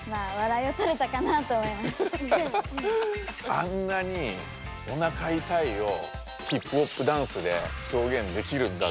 あんなに「おなかいたい」をヒップホップダンスで表現できるんだっていうおどろき。